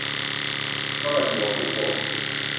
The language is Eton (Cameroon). Soobo a ne woua coco